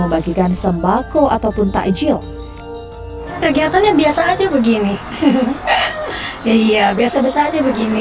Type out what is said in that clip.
membagikan sembako ataupun takjil kegiatannya biasa aja begini ya iya biasa biasa aja begini